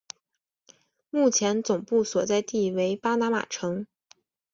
目前总部所在地为巴拿马城。